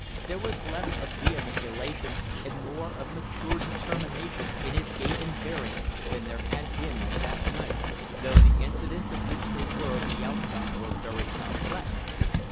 There was less of vehement elation and more of matured determination in his gait and bearing than there had been on that night, though the incidents of which they were the outcome were very complex.